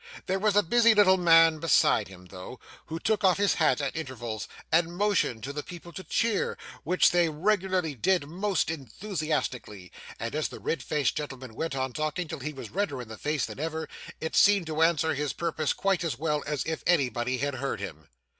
There was a busy little man beside him, though, who took off his hat at intervals and motioned to the people to cheer, which they regularly did, most enthusiastically; and as the red faced gentleman went on talking till he was redder in the face than ever, it seemed to answer his purpose quite as well as if anybody had heard him.